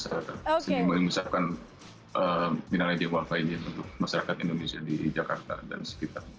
saya ingin menyiapkan minalaizin malfaizin untuk masyarakat indonesia di jakarta dan sekitar